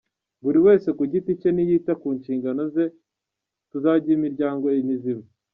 Buri wese ku giti cye niyita ku nshingano ze tuzagira imiryango mizima”.